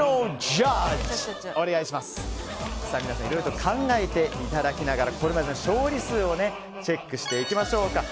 いろいろと考えていただきながらこれまでの勝利数をチェックしていきましょう。